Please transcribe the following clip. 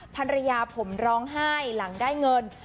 ภรรยาผมร้องไห้หลังได้เงิน